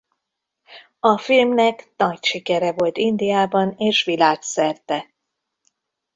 A filmnek nagy sikere volt Indiában és világszerte.